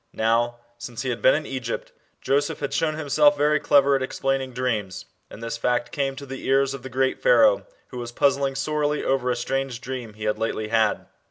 Now, since he had been in Egypt, Joseph had shown himself very clever at explaining dreams, and this fact came to the ears of the great Pharaoh, who was puzzling sorely over a strange dream he had lately had.